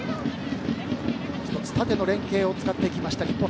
１つ縦の連係を使っていきました、日本。